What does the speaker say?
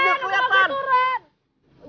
cepetan kakak gue turun